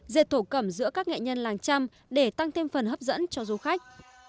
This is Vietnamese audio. dệt thổ cẩm giữa các nghệ nhân làng trăm để tăng thêm phần hấp dẫn cho du khách